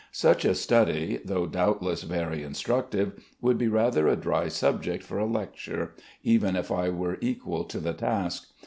Such a study, though doubtless very instructive, would be rather a dry subject for a lecture, even if I were equal to the task.